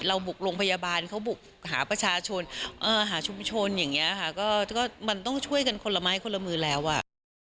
บุกโรงพยาบาลเขาบุกหาประชาชนหาชุมชนอย่างเงี้ยค่ะก็มันต้องช่วยกันคนละไม้คนละมือแล้วอ่ะ